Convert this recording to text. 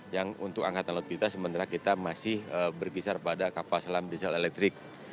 yang untuk angkatan laut kita sementara kita masih berkisar pada kapal selam diesel elektrik